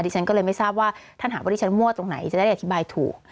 ฉันก็เลยไม่ทราบว่าท่านหากว่าดิฉันมั่วตรงไหนจะได้อธิบายถูก